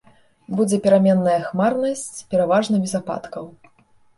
Будзе пераменная хмарнасць, пераважна без ападкаў.